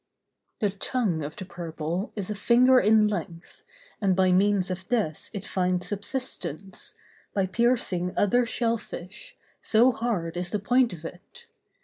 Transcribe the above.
The tongue of the purple is a finger in length, and by means of this it finds subsistence, by piercing other shell fish, so hard is the point of it.